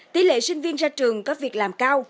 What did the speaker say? tỷ lệ sinh viên ra trường có việc làm cao